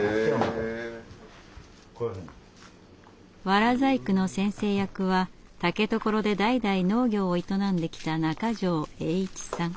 わら細工の先生役は竹所で代々農業を営んできた中條栄一さん。